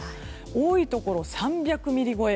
多いところ、３００ミリ超え